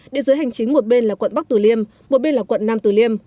địa dưới hành chính một bên là quận bắc tù liêm một bên là quận nam tù liêm